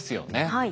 はい。